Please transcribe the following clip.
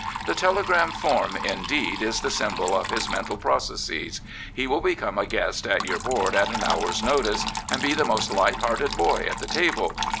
The telegram form, indeed, is the symbol of his mental processes. He will become a guest at your board at an hour's notice, and be the most light hearted boy at the table.